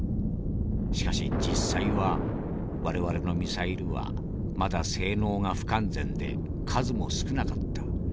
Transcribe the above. しかし実際は我々のミサイルはまだ性能が不完全で数も少なかった。